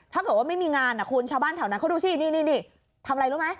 ถ้าเกิดว่าไม่มีงานคุณชาวบ้านแถวนั้นเขาดูสินี่ทำอะไรรู้ไหม